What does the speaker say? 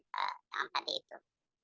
dengan hati itu